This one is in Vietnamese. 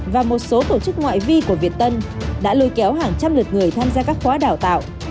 và một số tổ chức ngoại vi của việt tân đã lôi kéo hàng trăm lượt người tham gia các khóa đào tạo